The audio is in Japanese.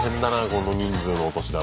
この人数のお年玉。